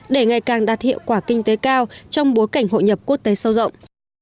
để ngày càng đạt hiệu quả kinh tế cao trong bối cảnh hội nhập quốc tế sâu rộng